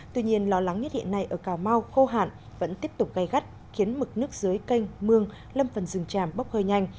tuy nhiên lo lắng nhất hiện nay ở cà mau khô hạn vẫn tiếp tục gây gắt khiến mực nước dưới canh mương lâm phần rừng tràm bốc hơi nhanh